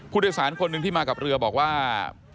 ผู้โดยสารคนหนึ่งที่มากับเรือบอกว่า